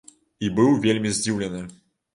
І быў вельмі здзіўлены!